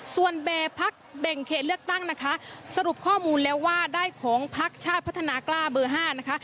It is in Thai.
ส่วนแบบพักแบ่งเขตเลือกตั้งนะคะสรุปข้อมูลแล้วว่าได้ของพักชาติพัฒนากล้าเบอร์๕นะคะ